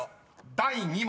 第２問］